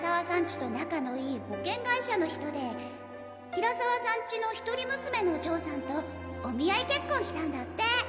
ちと仲のいい保険会社の人で平沢さんちの一人娘のお嬢さんとお見合い結婚したんだって。